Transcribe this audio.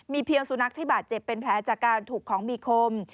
เพียงสุนัขที่บาดเจ็บเป็นแผลจากการถูกของมีคม